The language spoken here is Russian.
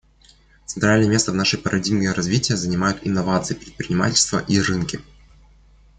Центральное место в нашей парадигме развития занимают инновации, предпринимательство и рынки.